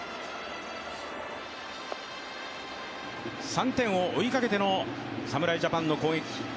３点を追いかけての侍ジャパンの攻撃。